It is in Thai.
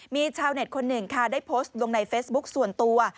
มีชาวเน็ตคนหนึ่งค่ะได้โพสต์ลงในเฟซบุ๊คส่วนตัว